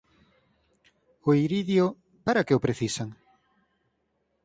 O iridio... para que o precisan?